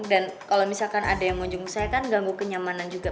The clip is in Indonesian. dan kalau misalkan ada yang mau jenguk saya kan ganggu kenyamanan juga